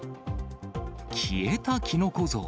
消えたキノコ像。